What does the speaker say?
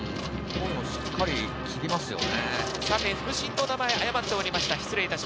しっかり切りますよね。